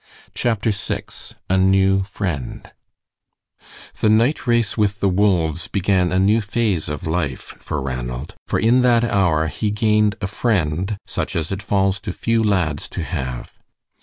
CHAPTER VI A NEW FRIEND The night race with the wolves began a new phase of life for Ranald, for in that hour he gained a friend such as it falls to few lads to have.